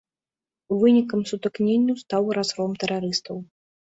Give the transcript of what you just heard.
Вынікам сутыкненняў стаў разгром тэрарыстаў.